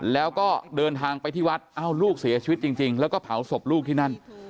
แล้วก็เดินทางไปที่วัดเอ้าลูกเสียชีวิตจริงแล้วก็เผาศพลูกที่นั่น